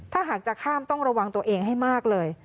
ถ้าหากจะข้ามต้องระวังตัวเองให้มากเลย